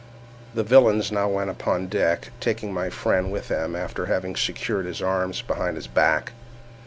The villains now went upon deck, taking my friend with them after having secured his arms behind his back.